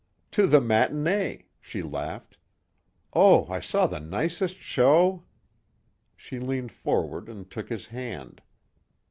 "To the matinee," she laughed. "Oh, I saw the nicest show." She leaned forward and took his hand.